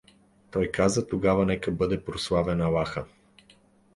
Той каза: — Тогава нека бъде прославен аллаха!